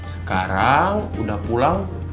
sekarang udah pulang